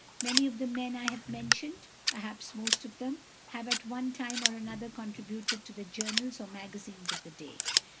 Many of the men I have mentioned, perhaps most of them, have at one time or another contributed to the journals or magazines of the day.